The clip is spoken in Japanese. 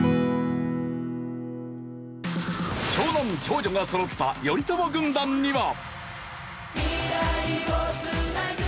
長男・長女がそろった頼朝軍団には。